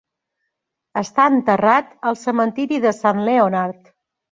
Està enterrat al cementiri de Sant Leonard.